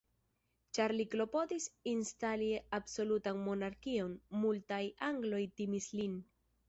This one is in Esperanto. Ĉar li klopodis instali absolutan monarkion, multaj angloj timis lin.